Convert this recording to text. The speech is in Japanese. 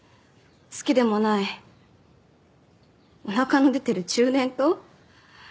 好きでもないおなかの出てる中年と？